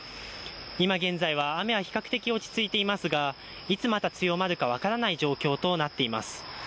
いま現在は雨は比較的落ち着いていますが、いつまた強まるか分からない状況となっています。